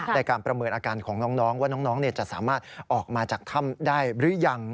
ในการประเมินอาการของน้องว่าน้องจะสามารถออกมาจากถ้ำได้หรือยัง